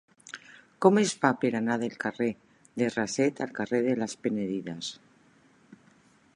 Com es fa per anar del carrer de Raset al carrer de les Penedides?